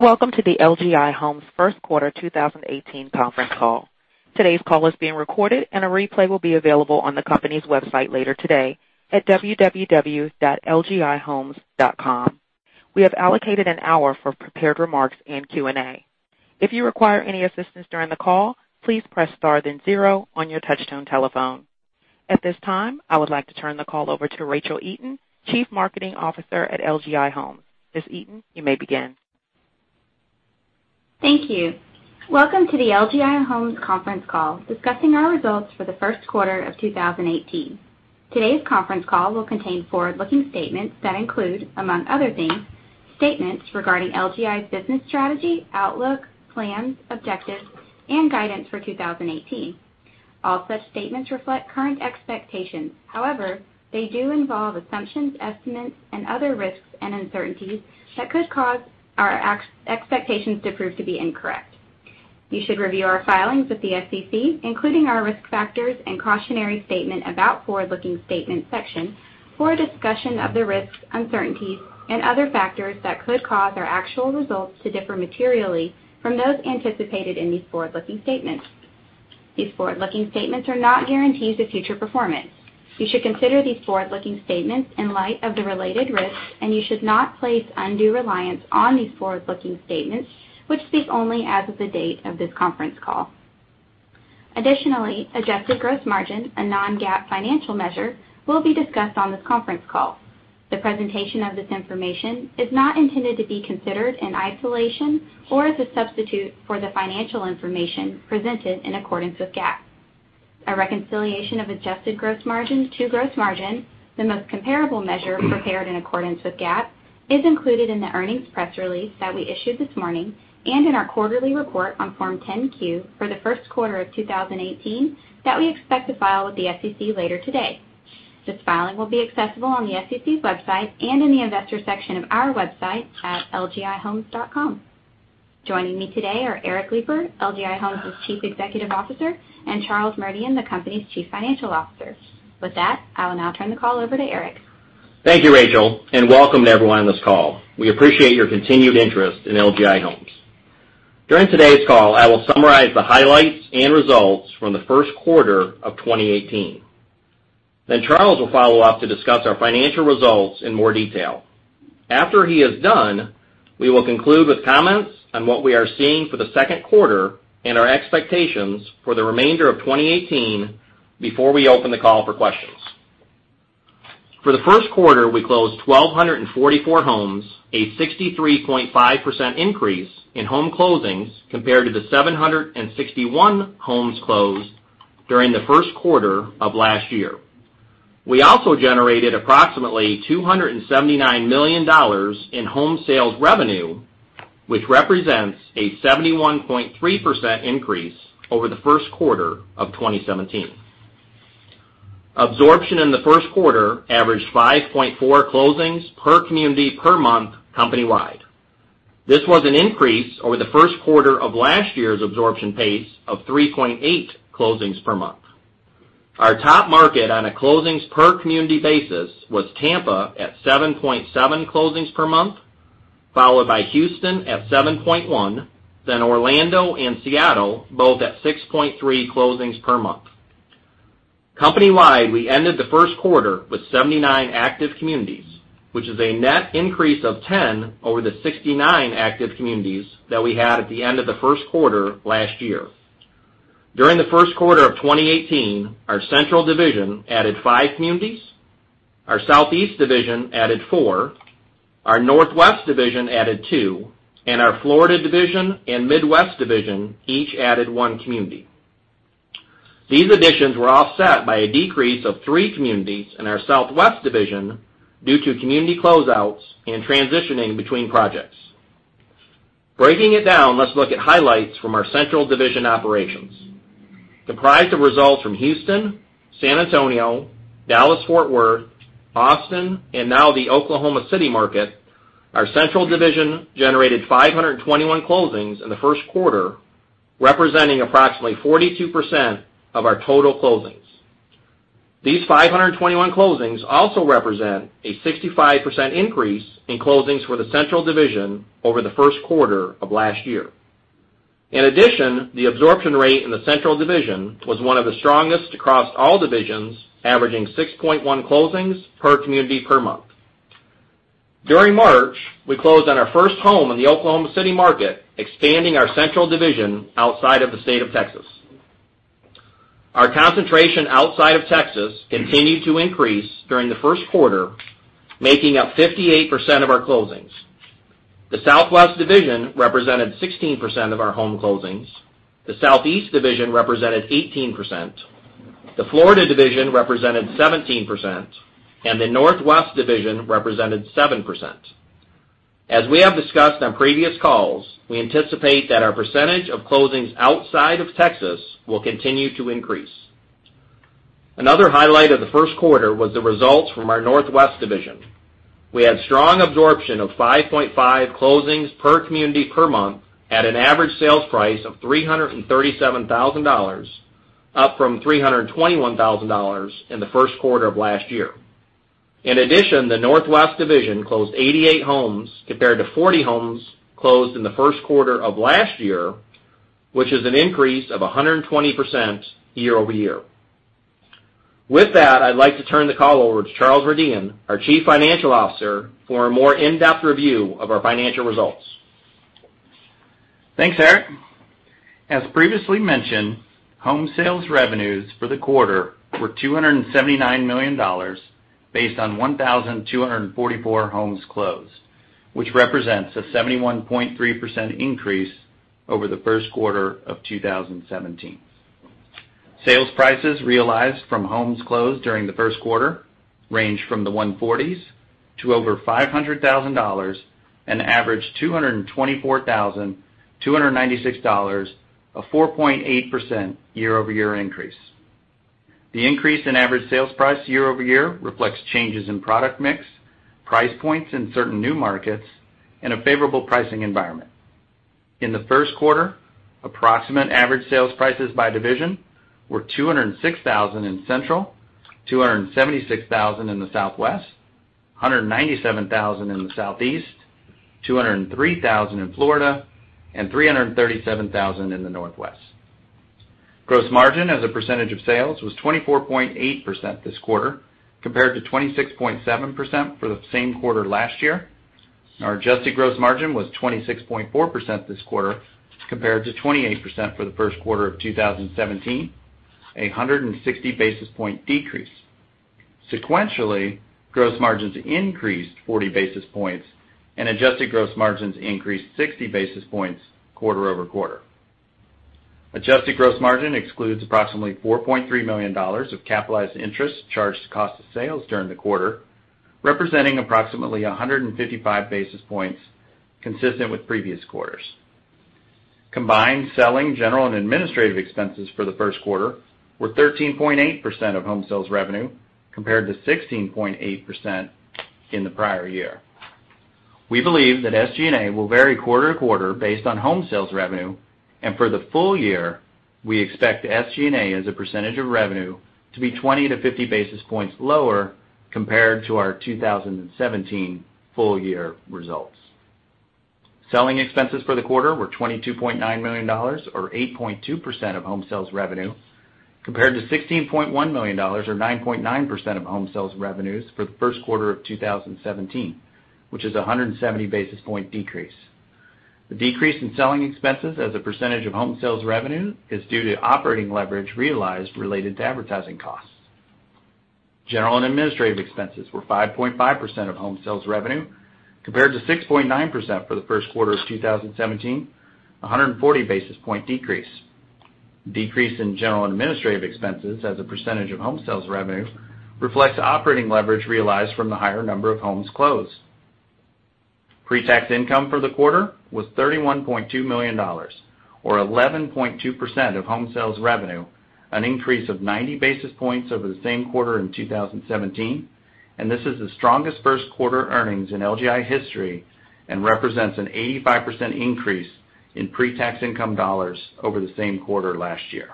Welcome to the LGI Homes first quarter 2018 conference call. Today's call is being recorded, and a replay will be available on the company's website later today at www.lgihomes.com. We have allocated an hour for prepared remarks and Q&A. If you require any assistance during the call, please press star then zero on your touch-tone telephone. At this time, I would like to turn the call over to Rachel Eaton, Chief Marketing Officer at LGI Homes. Ms. Eaton, you may begin. Thank you. Welcome to the LGI Homes conference call discussing our results for the first quarter of 2018. Today's conference call will contain forward-looking statements that include, among other things, statements regarding LGI's business strategy, outlook, plans, objectives, and guidance for 2018. All such statements reflect current expectations. However, they do involve assumptions, estimates, and other risks and uncertainties that could cause our expectations to prove to be incorrect. You should review our filings with the SEC, including our risk factors and cautionary statement about forward-looking statements section, for a discussion of the risks, uncertainties, and other factors that could cause our actual results to differ materially from those anticipated in these forward-looking statements. These forward-looking statements are not guarantees of future performance. You should consider these forward-looking statements in light of the related risks, and you should not place undue reliance on these forward-looking statements, which speak only as of the date of this conference call. Adjusted gross margin, a non-GAAP financial measure, will be discussed on this conference call. The presentation of this information is not intended to be considered in isolation or as a substitute for the financial information presented in accordance with GAAP. A reconciliation of adjusted gross margin to gross margin, the most comparable measure prepared in accordance with GAAP, is included in the earnings press release that we issued this morning and in our quarterly report on Form 10-Q for the first quarter of 2018 that we expect to file with the SEC later today. This filing will be accessible on the SEC's website and in the investor section of our website at lgihomes.com. Joining me today are Eric Lipar, LGI Homes' Chief Executive Officer, and Charles Merdian, the company's Chief Financial Officer. With that, I will now turn the call over to Eric. Thank you, Rachel, and welcome to everyone on this call. We appreciate your continued interest in LGI Homes. During today's call, I will summarize the highlights and results from the first quarter of 2018. Charles will follow up to discuss our financial results in more detail. After he is done, we will conclude with comments on what we are seeing for the second quarter and our expectations for the remainder of 2018 before we open the call for questions. For the first quarter, we closed 1,244 homes, a 63.5% increase in home closings compared to the 761 homes closed during the first quarter of last year. We also generated approximately $279 million in home sales revenue, which represents a 71.3% increase over the first quarter of 2017. Absorption in the first quarter averaged 5.4 closings per community per month company-wide. This was an increase over the first quarter of last year's absorption pace of 3.8 closings per month. Our top market on a closings per community basis was Tampa at 7.7 closings per month, followed by Houston at 7.1, then Orlando and Seattle, both at 6.3 closings per month. Company-wide, we ended the first quarter with 79 active communities, which is a net increase of 10 over the 69 active communities that we had at the end of the first quarter last year. During the first quarter of 2018, our Central division added five communities, our Southeast division added four, our Northwest division added two, and our Florida division and Midwest division each added one community. These additions were offset by a decrease of three communities in our Southwest division due to community closeouts and transitioning between projects. Breaking it down, let's look at highlights from our Central division operations. Comprised of results from Houston, San Antonio, Dallas-Fort Worth, Austin, and now the Oklahoma City market, our Central division generated 521 closings in the first quarter, representing approximately 42% of our total closings. These 521 closings also represent a 65% increase in closings for the Central division over the first quarter of last year. In addition, the absorption rate in the Central division was one of the strongest across all divisions, averaging 6.1 closings per community per month. During March, we closed on our first home in the Oklahoma City market, expanding our Central division outside of the state of Texas. Our concentration outside of Texas continued to increase during the first quarter, making up 58% of our closings. The Southwest division represented 16% of our home closings, the Southeast division represented 18%, the Florida division represented 17%, and the Northwest division represented 7%. As we have discussed on previous calls, we anticipate that our percentage of closings outside of Texas will continue to increase. Another highlight of the first quarter was the results from our Northwest division. We had strong absorption of 5.5 closings per community per month at an average sales price of $337,000, up from $321,000 in the first quarter of last year. In addition, the Northwest division closed 88 homes compared to 40 homes closed in the first quarter of last year, which is an increase of 120% year-over-year. With that, I'd like to turn the call over to Charles Merdian, our Chief Financial Officer, for a more in-depth review of our financial results. Thanks, Eric. As previously mentioned, home sales revenues for the quarter were $279 million based on 1,244 homes closed, which represents a 71.3% increase over the first quarter of 2017. Sales prices realized from homes closed during the first quarter ranged from the $140s to over $500,000 and averaged $224,296, a 4.8% year-over-year increase. The increase in average sales price year-over-year reflects changes in product mix, price points in certain new markets, and a favorable pricing environment. In the first quarter, approximate average sales prices by division were $206,000 in Central, $276,000 in the Southwest, $197,000 in the Southeast, $203,000 in Florida, and $337,000 in the Northwest. Gross margin as a percentage of sales was 24.8% this quarter, compared to 26.7% for the same quarter last year. Our adjusted gross margin was 26.4% this quarter, compared to 28% for the first quarter of 2017, a 160 basis point decrease. Sequentially, gross margins increased 40 basis points, and adjusted gross margins increased 60 basis points quarter-over-quarter. Adjusted gross margin excludes approximately $4.3 million of capitalized interest charged to cost of sales during the quarter, representing approximately 155 basis points consistent with previous quarters. Combined selling, general, and administrative expenses for the first quarter were 13.8% of home sales revenue, compared to 16.8% in the prior year. We believe that SG&A will vary quarter-to-quarter based on home sales revenue, and for the full year, we expect SG&A as a percentage of revenue to be 20 to 50 basis points lower compared to our 2017 full-year results. Selling expenses for the quarter were $22.9 million, or 8.2% of home sales revenue, compared to $16.1 million, or 9.9% of home sales revenues for the first quarter of 2017, which is a 170 basis point decrease. The decrease in selling expenses as a percentage of home sales revenue is due to operating leverage realized related to advertising costs. General and administrative expenses were 5.5% of home sales revenue, compared to 6.9% for the first quarter of 2017, a 140 basis point decrease. Decrease in general and administrative expenses as a percentage of home sales revenue reflects operating leverage realized from the higher number of homes closed. Pre-tax income for the quarter was $31.2 million, or 11.2% of home sales revenue, an increase of 90 basis points over the same quarter in 2017. This is the strongest first quarter earnings in LGI history and represents an 85% increase in pre-tax income dollars over the same quarter last year.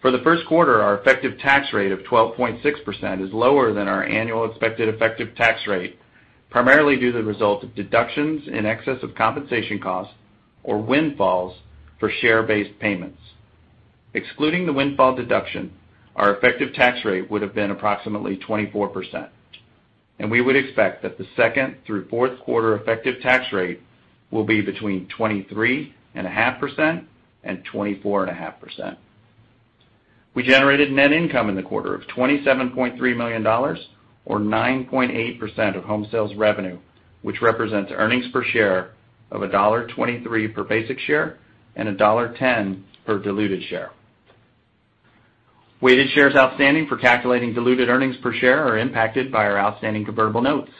For the first quarter, our effective tax rate of 12.6% is lower than our annual expected effective tax rate, primarily due to the result of deductions in excess of compensation costs or windfalls for share-based payments. Excluding the windfall deduction, our effective tax rate would have been approximately 24%, and we would expect that the second through fourth quarter effective tax rate will be between 23.5% and 24.5%. We generated net income in the quarter of $27.3 million, or 9.8% of home sales revenue, which represents earnings per share of $1.23 per basic share and $1.10 per diluted share. Weighted shares outstanding for calculating diluted earnings per share are impacted by our outstanding convertible notes.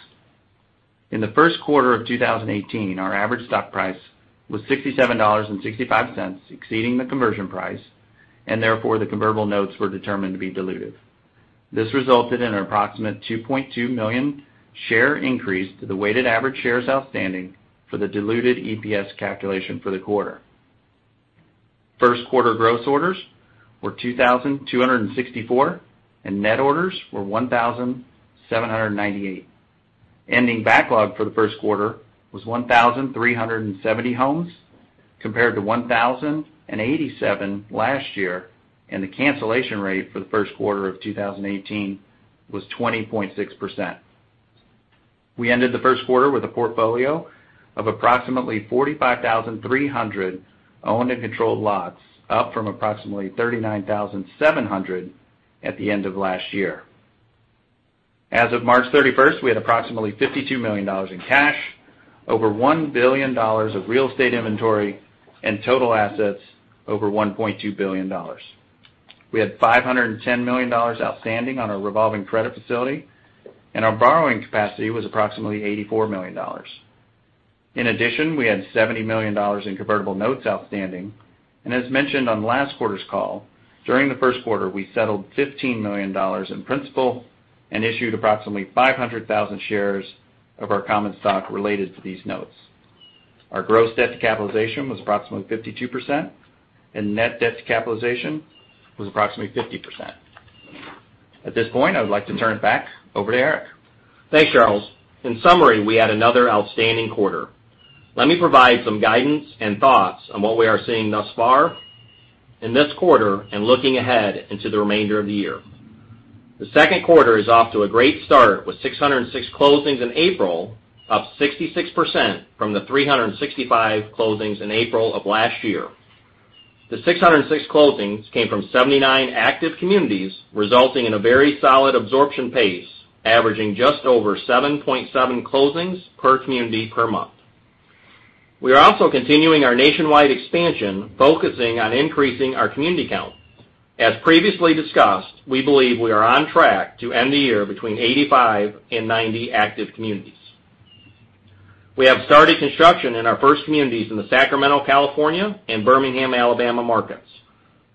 In the first quarter of 2018, our average stock price was $67.65, exceeding the conversion price, therefore the convertible notes were determined to be diluted. This resulted in an approximate 2.2 million share increase to the weighted average shares outstanding for the diluted EPS calculation for the quarter. First quarter gross orders were 2,264 and net orders were 1,798. Ending backlog for the first quarter was 1,370 homes, compared to 1,087 last year, the cancellation rate for the first quarter of 2018 was 20.6%. We ended the first quarter with a portfolio of approximately 45,300 owned and controlled lots, up from approximately 39,700 at the end of last year. As of March 31st, we had approximately $52 million in cash, over $1 billion of real estate inventory, and total assets over $1.2 billion. We had $510 million outstanding on our revolving credit facility, our borrowing capacity was approximately $84 million. In addition, we had $70 million in convertible notes outstanding, as mentioned on last quarter's call, during the first quarter, we settled $15 million in principal and issued approximately 500,000 shares of our common stock related to these notes. Our gross debt to capitalization was approximately 52%, net debt to capitalization was approximately 50%. At this point, I would like to turn it back over to Eric. Thanks, Charles. In summary, we had another outstanding quarter. Let me provide some guidance and thoughts on what we are seeing thus far in this quarter and looking ahead into the remainder of the year. The second quarter is off to a great start with 606 closings in April, up 66% from the 365 closings in April of last year. The 606 closings came from 79 active communities, resulting in a very solid absorption pace, averaging just over 7.7 closings per community per month. We are also continuing our nationwide expansion, focusing on increasing our community count. As previously discussed, we believe we are on track to end the year between 85 and 90 active communities. We have started construction in our first communities in the Sacramento, California, and Birmingham, Alabama markets.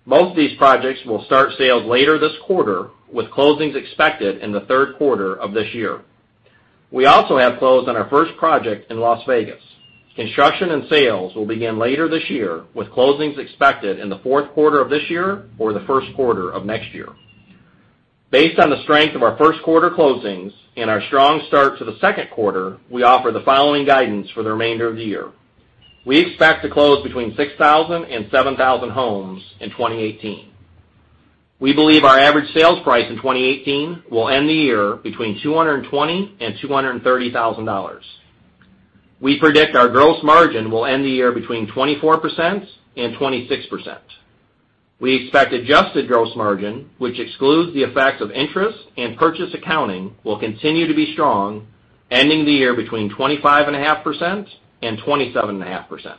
Both of these projects will start sales later this quarter, with closings expected in the third quarter of this year. We also have closed on our first project in Las Vegas. Construction and sales will begin later this year, with closings expected in the fourth quarter of this year or the first quarter of next year. Based on the strength of our first quarter closings and our strong start to the second quarter, we offer the following guidance for the remainder of the year. We expect to close between 6,000 and 7,000 homes in 2018. We believe our average sales price in 2018 will end the year between $220,000 and $230,000. We predict our gross margin will end the year between 24% and 26%. We expect adjusted gross margin, which excludes the effects of interest and purchase accounting, will continue to be strong, ending the year between 25.5% and 27.5%.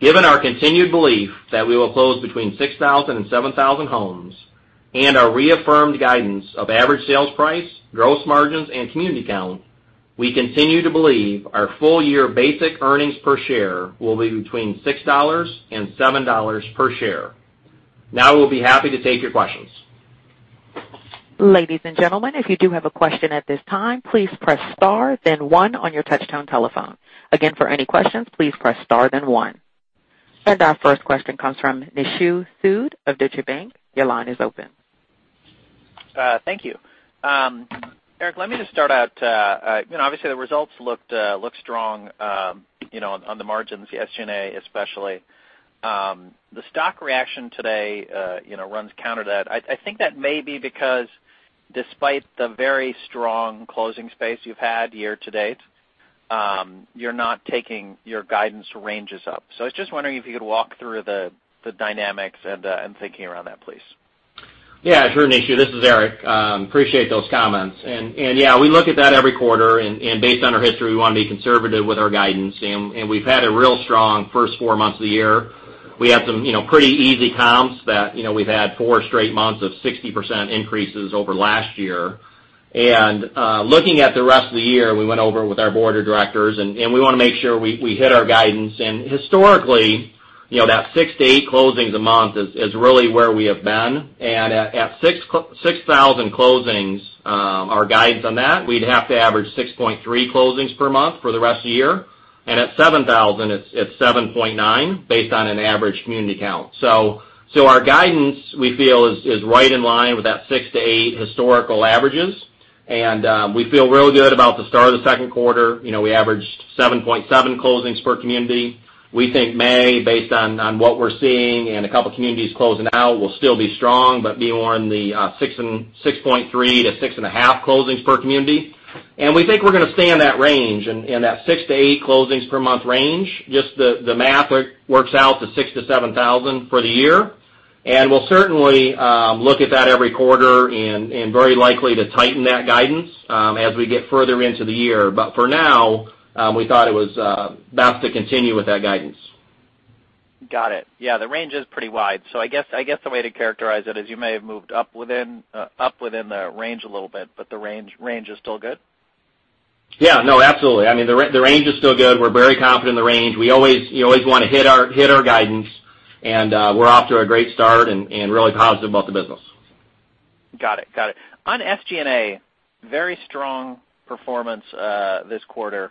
Given our continued belief that we will close between 6,000 and 7,000 homes and our reaffirmed guidance of average sales price, gross margins, and community count, we continue to believe our full-year basic earnings per share will be between $6 and $7 per share. We will be happy to take your questions. Ladies and gentlemen, if you do have a question at this time, please press star then one on your touchtone telephone. Again, for any questions, please press star then one. Our first question comes from Nishu Sood of Deutsche Bank. Your line is open. Thank you. Eric, let me just start out. Obviously, the results looked strong on the margins, the SG&A especially. The stock reaction today runs counter to that. I think that may be because despite the very strong closing pace you have had year-to-date, you are not taking your guidance ranges up. I was just wondering if you could walk through the dynamics and thinking around that, please. Sure, Nishu. This is Eric. Appreciate those comments. We look at that every quarter, and based on our history, we want to be conservative with our guidance. We have had a real strong first four months of the year. We have some pretty easy comps that we have had four straight months of 60% increases over last year. Looking at the rest of the year, we went over it with our board of directors, and we want to make sure we hit our guidance. Historically, that six to eight closings a month is really where we have been. At 6,000 closings, our guidance on that, we would have to average 6.3 closings per month for the rest of the year. At 7,000, it is 7.9 based on an average community count. Our guidance, we feel, is right in line with that 6-8 historical averages, we feel real good about the start of the second quarter. We averaged 7.7 closings per community. We think May, based on what we're seeing and a couple of communities closing out, will still be strong, but be more in the 6.3-6.5 closings per community. We think we're going to stay in that range, in that 6-8 closings per month range. The math works out to 6,000-7,000 for the year. We'll certainly look at that every quarter and very likely to tighten that guidance as we get further into the year. For now, we thought it was best to continue with that guidance. Got it. The range is pretty wide. I guess the way to characterize it is you may have moved up within the range a little bit, the range is still good? Absolutely. I mean, the range is still good. We're very confident in the range. We always want to hit our guidance, we're off to a great start, really positive about the business. Got it. On SG&A, very strong performance this quarter.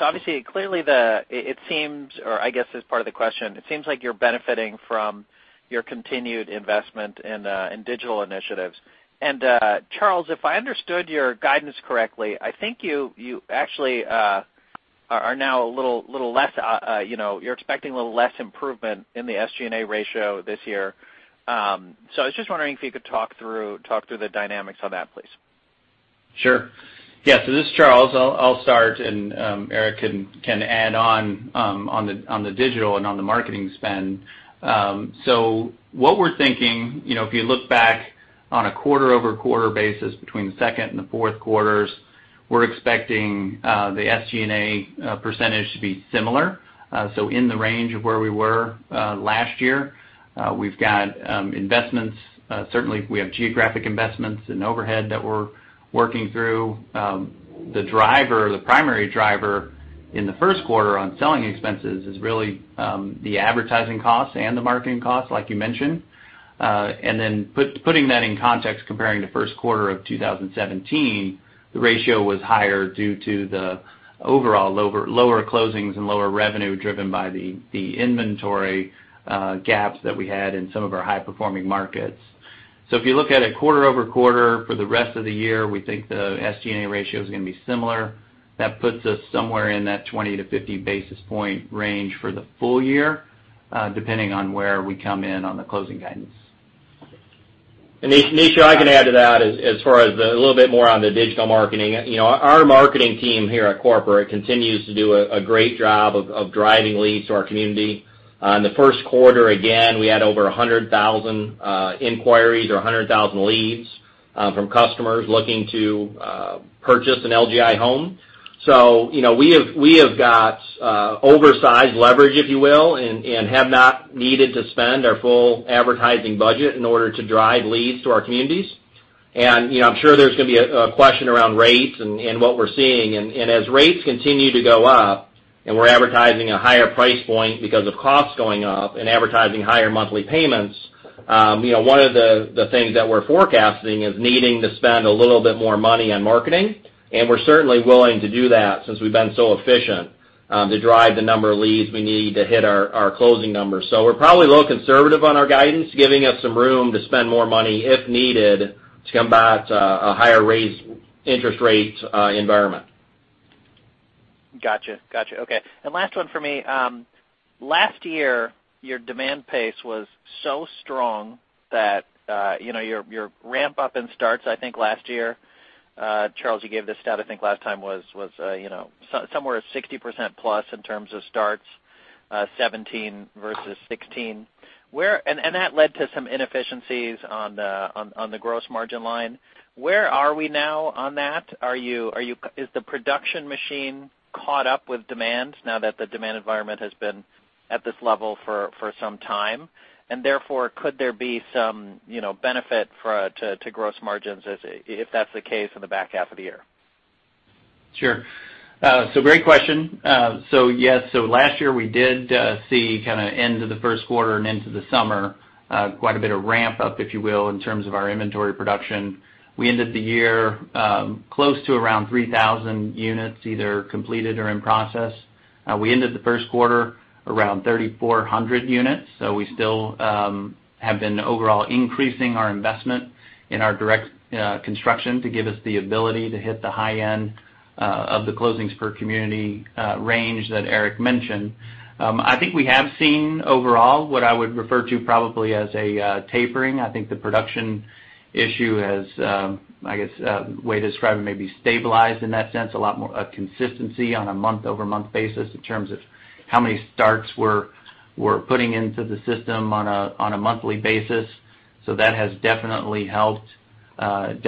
Obviously, clearly it seems, or I guess as part of the question, it seems like you're benefiting from your continued investment in digital initiatives. Charles, if I understood your guidance correctly, I think you actually are now expecting a little less improvement in the SG&A ratio this year. I was just wondering if you could talk through the dynamics on that, please. This is Charles. I'll start, and Eric can add on the digital and on the marketing spend. What we're thinking, if you look back on a quarter-over-quarter basis between the second and the fourth quarters, we're expecting the SG&A % to be similar, so in the range of where we were last year. We've got investments. Certainly, we have geographic investments and overhead that we're working through. The primary driver in the first quarter on selling expenses is really the advertising costs and the marketing costs, like you mentioned. Putting that in context, comparing to first quarter of 2017, the ratio was higher due to the overall lower closings and lower revenue driven by the inventory gaps that we had in some of our high-performing markets. If you look at it quarter-over-quarter for the rest of the year, we think the SG&A ratio is going to be similar. That puts us somewhere in that 20-50 basis point range for the full year, depending on where we come in on the closing guidance. Nishu, I can add to that as far as a little bit more on the digital marketing. Our marketing team here at corporate continues to do a great job of driving leads to our community. In the first quarter, again, we had over 100,000 inquiries or 100,000 leads from customers looking to purchase an LGI Homes. We have got oversized leverage, if you will, and have not needed to spend our full advertising budget in order to drive leads to our communities. I'm sure there's going to be a question around rates and what we're seeing. As rates continue to go up, and we're advertising a higher price point because of costs going up and advertising higher monthly payments, one of the things that we're forecasting is needing to spend a little bit more money on marketing. We're certainly willing to do that since we've been so efficient to drive the number of leads we need to hit our closing numbers. We're probably a little conservative on our guidance, giving us some room to spend more money if needed to combat a higher interest rate environment. Got you. Okay. Last one for me. Last year, your demand pace was so strong that your ramp-up in starts, I think, last year, Charles, you gave this stat, I think, last time was somewhere at 60% plus in terms of starts, 2017 versus 2016. That led to some inefficiencies on the gross margin line. Where are we now on that? Is the production machine caught up with demand now that the demand environment has been at this level for some time? Therefore, could there be some benefit to gross margins if that's the case in the back half of the year? Sure. Great question. Yes, last year we did see kind of end of the first quarter and into the summer, quite a bit of ramp-up, if you will, in terms of our inventory production. We ended the year close to around 3,000 units, either completed or in process. We ended the first quarter around 3,400 units. We still have been overall increasing our investment in our direct construction to give us the ability to hit the high end of the closings per community range that Eric mentioned. I think we have seen overall what I would refer to probably as a tapering. I think the production issue has, I guess a way to describe it may be stabilized in that sense, a lot more consistency on a month-over-month basis in terms of how many starts we're putting into the system on a monthly basis. That has definitely helped on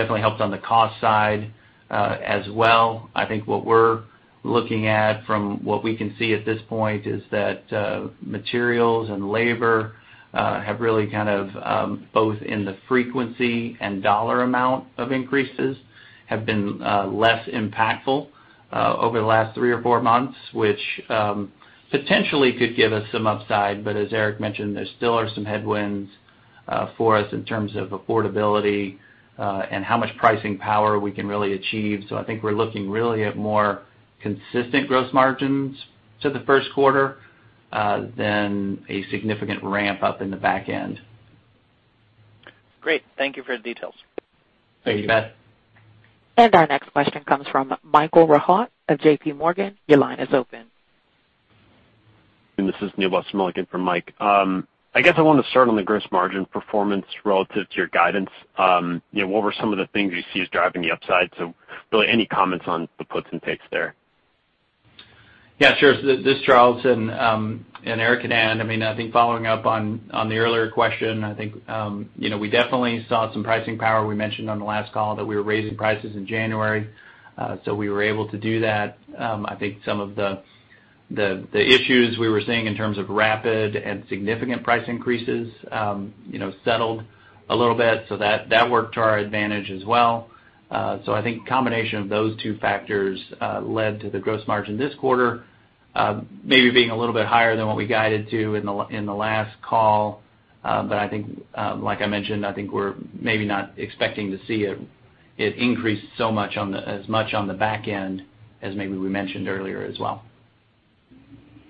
the cost side as well. I think what we're looking at from what we can see at this point is that materials and labor have really kind of, both in the frequency and dollar amount of increases, have been less impactful over the last three or four months, which potentially could give us some upside. As Eric mentioned, there still are some headwinds for us in terms of affordability and how much pricing power we can really achieve. I think we're looking really at more consistent gross margins to the first quarter than a significant ramp-up in the back end. Great. Thank you for the details. Thank you. You bet. Our next question comes from Michael Rehaut of JPMorgan. Your line is open. This is from Mike. I guess I want to start on the gross margin performance relative to your guidance. What were some of the things you see as driving the upside? Really any comments on the puts and takes there. Yeah, sure. This is Charles, Eric can add. I think following up on the earlier question, I think we definitely saw some pricing power. We mentioned on the last call that we were raising prices in January. We were able to do that. I think some of the issues we were seeing in terms of rapid and significant price increases settled a little bit, that worked to our advantage as well. I think combination of those two factors led to the gross margin this quarter maybe being a little bit higher than what we guided to in the last call. I think, like I mentioned, I think we're maybe not expecting to see it increase as much on the back end as maybe we mentioned earlier as well.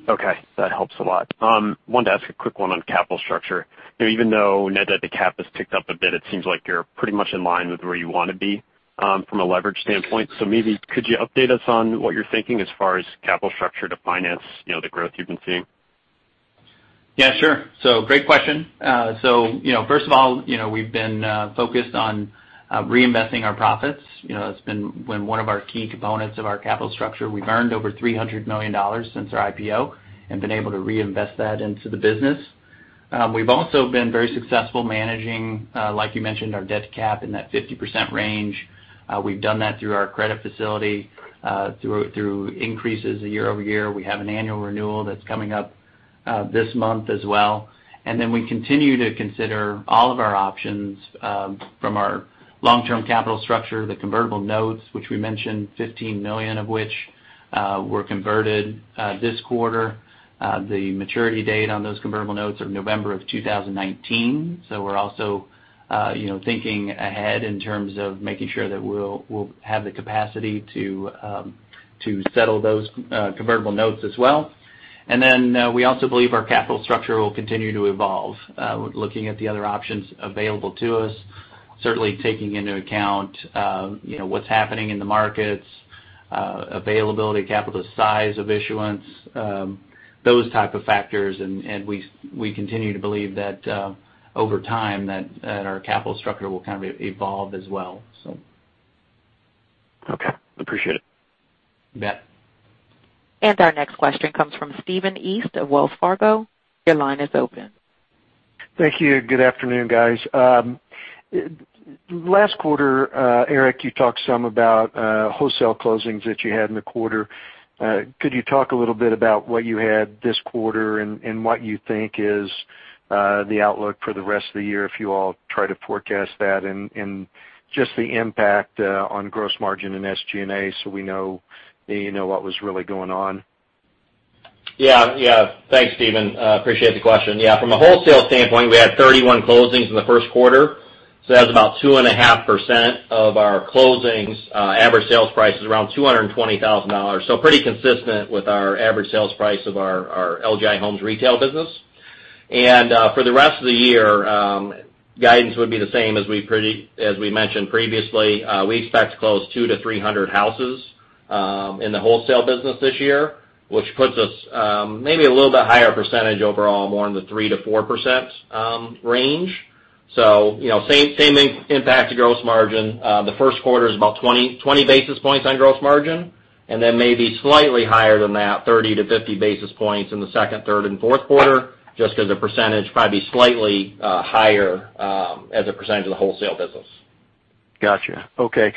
Okay. That helps a lot. Wanted to ask a quick one on capital structure. Even though net debt to cap has ticked up a bit, it seems like you're pretty much in line with where you want to be from a leverage standpoint. Maybe could you update us on what you're thinking as far as capital structure to finance the growth you've been seeing? Yeah, sure. Great question. First of all, we've been focused on reinvesting our profits. It's been one of our key components of our capital structure. We've earned over $300 million since our IPO and been able to reinvest that into the business. We've also been very successful managing, like you mentioned, our debt to cap in that 50% range. We've done that through our credit facility through increases year-over-year. We have an annual renewal that's coming up this month as well. We continue to consider all of our options from our long-term capital structure, the convertible notes, which we mentioned $15 million of which were converted this quarter. The maturity date on those convertible notes are November of 2019, we're also thinking ahead in terms of making sure that we'll have the capacity to settle those convertible notes as well. We also believe our capital structure will continue to evolve. We're looking at the other options available to us, certainly taking into account what's happening in the markets, availability of capital, the size of issuance, those type of factors. We continue to believe that over time, that our capital structure will evolve as well. Okay. Appreciate it. You bet. Our next question comes from Stephen East of Wells Fargo. Your line is open. Thank you. Good afternoon, guys. Last quarter, Eric, you talked some about wholesale closings that you had in the quarter. Could you talk a little bit about what you had this quarter and what you think is the outlook for the rest of the year, if you all try to forecast that, and just the impact on gross margin and SG&A so we know what was really going on? Thanks, Stephen. Appreciate the question. From a wholesale standpoint, we had 31 closings in the first quarter, that's about 2.5% of our closings. Average sales price is around $220,000, pretty consistent with our average sales price of our LGI Homes retail business. For the rest of the year, guidance would be the same as we mentioned previously. We expect to close 200 to 300 houses in the wholesale business this year, which puts us maybe a little bit higher percentage overall, more in the 3%-4% range. Same impact to gross margin. The first quarter is about 20 basis points on gross margin, then maybe slightly higher than that, 30-50 basis points in the second, third, and fourth quarter, just as a percentage, probably be slightly higher as a percentage of the wholesale business. Got you. Okay.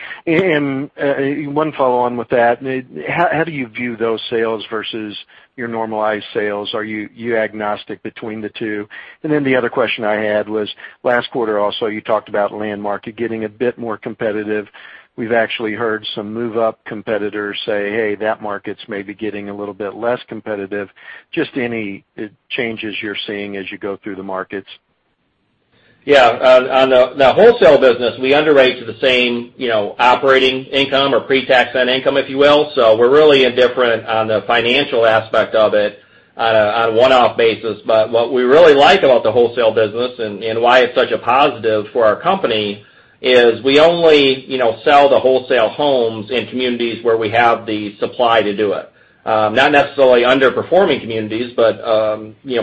One follow on with that, how do you view those sales versus your normalized sales? Are you agnostic between the two? The other question I had was, last quarter, also, you talked about land market getting a bit more competitive. We've actually heard some move-up competitors say, "Hey, that market's maybe getting a little bit less competitive." Just any changes you're seeing as you go through the markets? On the wholesale business, we underwrite to the same operating income or pre-tax income, if you will. We're really indifferent on the financial aspect of it on a one-off basis. What we really like about the wholesale business and why it's such a positive for our company is we only sell the wholesale homes in communities where we have the supply to do it. Not necessarily underperforming communities, but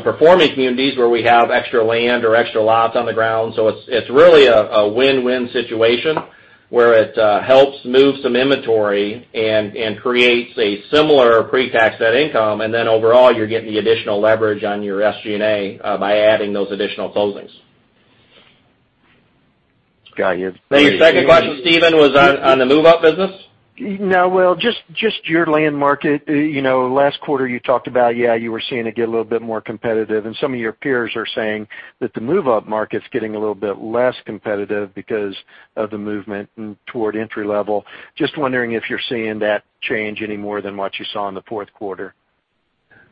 performing communities where we have extra land or extra lots on the ground. It's really a win-win situation where it helps move some inventory and creates a similar pre-tax net income, then overall, you're getting the additional leverage on your SG&A by adding those additional closings. Got you. Your second question, Stephen, was on the move-up business? No, welll, just your land market. Last quarter you talked about, yeah, you were seeing it get a little bit more competitive, and some of your peers are saying that the move-up market's getting a little bit less competitive because of the movement toward entry-level. Just wondering if you're seeing that change any more than what you saw in the fourth quarter.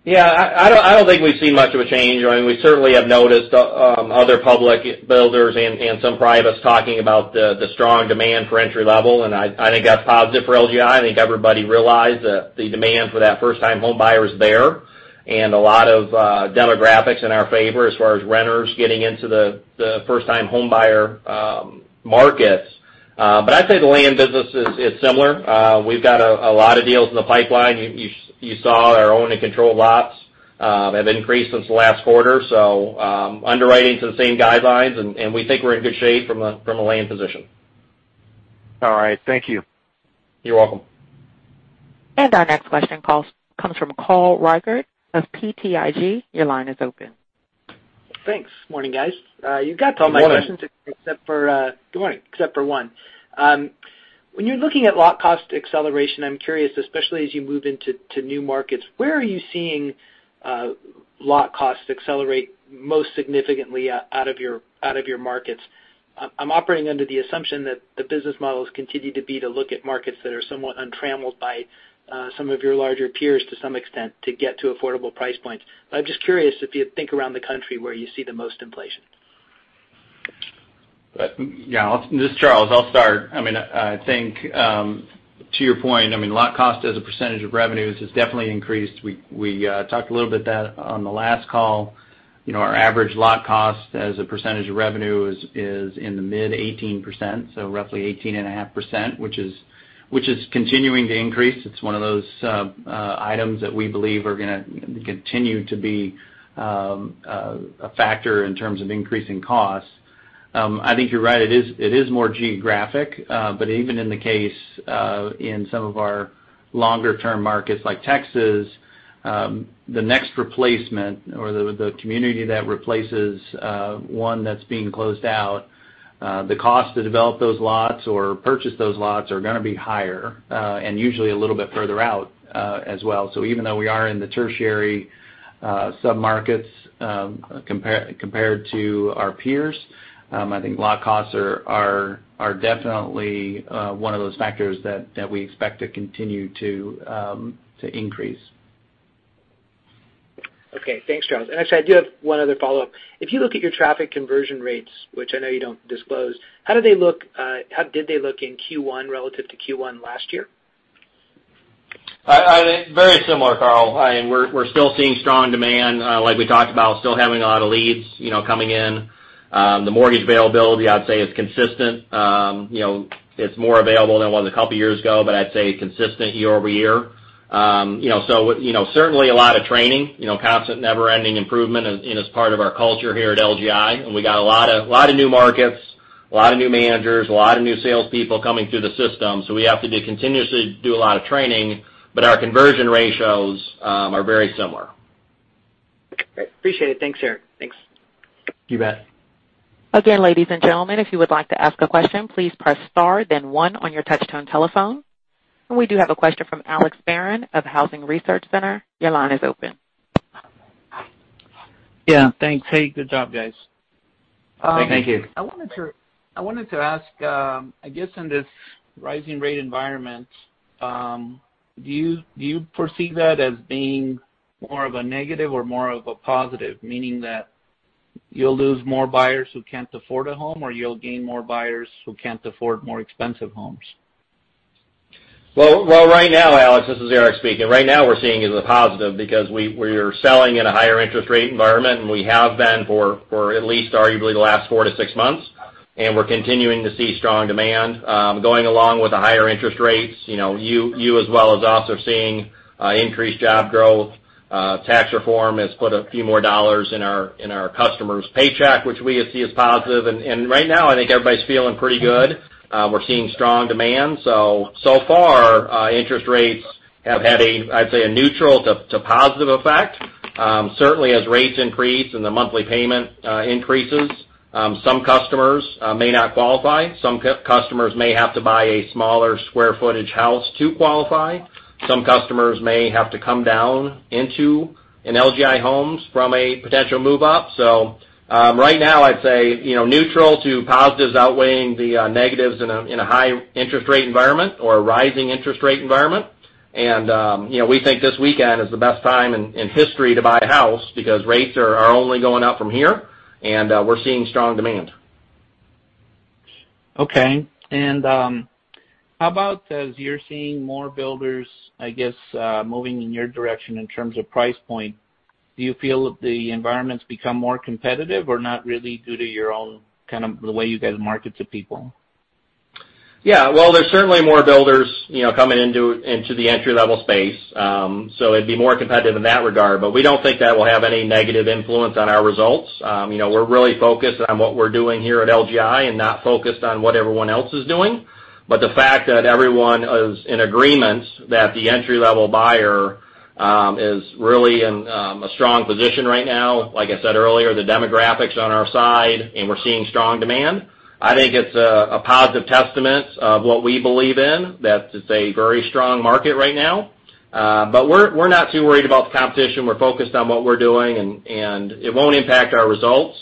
Yeah, I don't think we've seen much of a change. We certainly have noticed other public builders and some privates talking about the strong demand for entry-level, and I think that's positive for LGI. I think everybody realized that the demand for that first-time home buyer is there, and a lot of demographics in our favor as far as renters getting into the first-time home buyer markets. I'd say the land business is similar. We've got a lot of deals in the pipeline. You saw our owned and controlled lots have increased since the last quarter. Underwriting to the same guidelines, and we think we're in good shape from a land position. All right. Thank you. You're welcome. Our next question comes from Carl Reichardt of BTIG. Your line is open. Thanks. Morning, guys. Good morning. You've got to all my questions except for one. When you're looking at lot cost acceleration, I'm curious, especially as you move into new markets, where are you seeing lot costs accelerate most significantly out of your markets? I'm operating under the assumption that the business models continue to be to look at markets that are somewhat untrammeled by some of your larger peers to some extent to get to affordable price points. I'm just curious if you think around the country where you see the most inflation. Yeah. This is Charles. I'll start. I think, to your point, lot cost as a percentage of revenues has definitely increased. We talked a little bit that on the last call. Our average lot cost as a percentage of revenue is in the mid-18%, so roughly 18.5%, which is continuing to increase. It's one of those items that we believe are going to continue to be a factor in terms of increasing costs. I think you're right, it is more geographic. Even in the case in some of our longer-term markets like Texas, the next replacement or the community that replaces one that's being closed out, the cost to develop those lots or purchase those lots are going to be higher, and usually a little bit further out as well. Even though we are in the tertiary sub-markets compared to our peers, I think lot costs are definitely one of those factors that we expect to continue to increase. Okay. Thanks, Charles. Actually, I do have one other follow-up. If you look at your traffic conversion rates, which I know you don't disclose, how did they look in Q1 relative to Q1 last year? Very similar, Carl. We're still seeing strong demand, like we talked about, still having a lot of leads coming in. The mortgage availability, I'd say, is consistent. It's more available than it was a couple of years ago, but I'd say consistent year-over-year. Certainly a lot of training, constant never-ending improvement is part of our culture here at LGI. We got a lot of new markets, a lot of new managers, a lot of new salespeople coming through the system, we have to continuously do a lot of training, but our conversion ratios are very similar. Great. Appreciate it. Thanks, Eric. You bet. Again, ladies and gentlemen, if you would like to ask a question, please press star then one on your touch-tone telephone. We do have a question from Alex Barron of Housing Research Center. Your line is open. Thanks. Hey, good job, guys. Thank you. I wanted to ask, I guess in this rising rate environment, do you perceive that as being more of a negative or more of a positive, meaning that you'll lose more buyers who can't afford a home, or you'll gain more buyers who can't afford more expensive homes? Right now, Alex, this is Eric speaking. Right now, we're seeing it as a positive because we are selling at a higher interest rate environment, and we have been for at least arguably the last four to six months, and we're continuing to see strong demand. Going along with the higher interest rates, you as well as also seeing increased job growth, tax reform has put a few more dollars in our customers' paycheck, which we see as positive. Right now, I think everybody's feeling pretty good. We're seeing strong demand. So far, interest rates have had, I'd say, a neutral to positive effect. Certainly as rates increase and the monthly payment increases, some customers may not qualify. Some customers may have to buy a smaller square footage house to qualify. Some customers may have to come down into an LGI Homes from a potential move up. Right now, I'd say neutral to positive is outweighing the negatives in a high interest rate environment or a rising interest rate environment. We think this weekend is the best time in history to buy a house because rates are only going up from here, and we're seeing strong demand. Okay. How about as you're seeing more builders, I guess, moving in your direction in terms of price point, do you feel the environment's become more competitive or not really due to your own kind of the way you guys market to people? Yeah. There's certainly more builders coming into the entry-level space, so it'd be more competitive in that regard, but we don't think that will have any negative influence on our results. We're really focused on what we're doing here at LGI and not focused on what everyone else is doing. The fact that everyone is in agreement that the entry-level buyer is really in a strong position right now, like I said earlier, the demographics on our side, and we're seeing strong demand. I think it's a positive testament of what we believe in, that it's a very strong market right now. We're not too worried about the competition. We're focused on what we're doing, and it won't impact our results.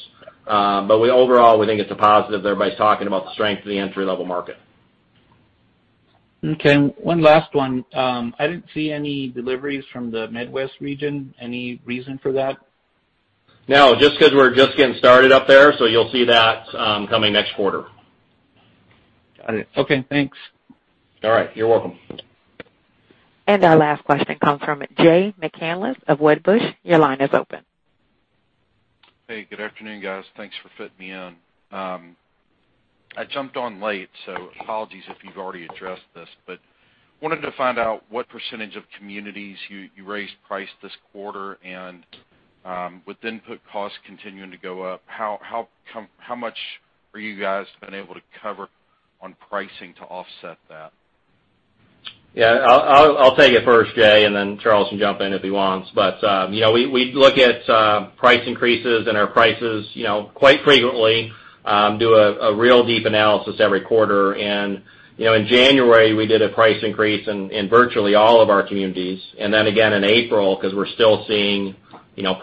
Overall, we think it's a positive that everybody's talking about the strength of the entry-level market. Okay. One last one. I didn't see any deliveries from the Midwest region. Any reason for that? No, just because we're just getting started up there, so you'll see that coming next quarter. Got it. Okay, thanks. All right. You're welcome. Our last question comes from Jay McCanless of Wedbush. Your line is open. Hey, good afternoon, guys. Thanks for fitting me in. Apologies if you've already addressed this, but wanted to find out what % of communities you raised price this quarter, and with input costs continuing to go up, how much are you guys been able to cover on pricing to offset that? Yeah. I'll take it first, Jay. Then Charles can jump in if he wants. We look at price increases and our prices quite frequently, do a real deep analysis every quarter. In January, we did a price increase in virtually all of our communities. Then again in April, because we're still seeing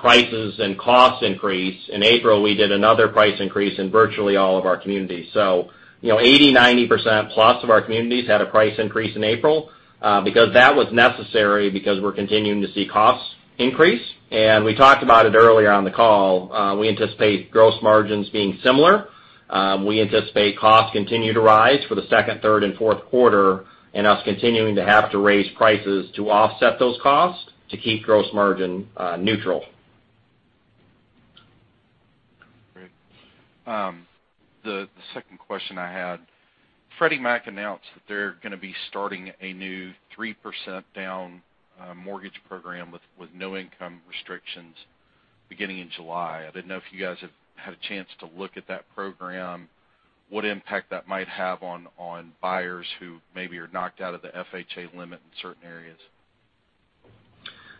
prices and costs increase. In April, we did another price increase in virtually all of our communities. 80%, 90% plus of our communities had a price increase in April because that was necessary because we're continuing to see costs increase. We talked about it earlier on the call, we anticipate gross margins being similar. We anticipate costs continue to rise for the second, third, and fourth quarter and us continuing to have to raise prices to offset those costs to keep gross margin neutral. Great. The second question I had, Freddie Mac announced that they're going to be starting a new 3% down mortgage program with no income restrictions beginning in July. I didn't know if you guys have had a chance to look at that program, what impact that might have on buyers who maybe are knocked out of the FHA limit in certain areas.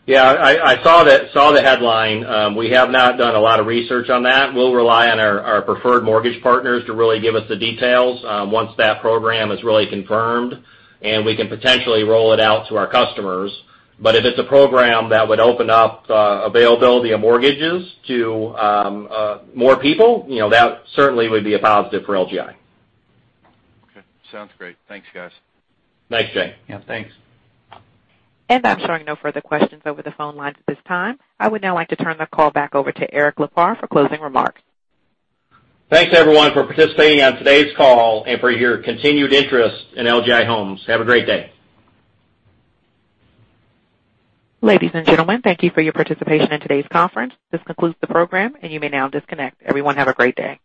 Yeah, I saw the headline. We have not done a lot of research on that. We'll rely on our preferred mortgage partners to really give us the details once that program is really confirmed, and we can potentially roll it out to our customers. If it's a program that would open up availability of mortgages to more people, that certainly would be a positive for LGI. Okay. Sounds great. Thanks, guys. Thanks, Jay. Yeah, thanks. I'm showing no further questions over the phone lines at this time. I would now like to turn the call back over to Eric Lipar for closing remarks. Thanks, everyone, for participating on today's call and for your continued interest in LGI Homes. Have a great day. Ladies and gentlemen, thank you for your participation in today's conference. This concludes the program, and you may now disconnect. Everyone, have a great day.